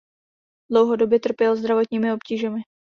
Dlouhodobě trpěl zdravotními obtížemi.